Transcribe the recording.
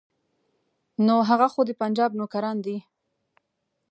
نو هغه خو د پنجاب نوکران دي.